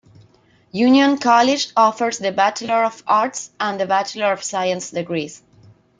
Union College offers the Bachelor of Arts and the Bachelor of Science degrees.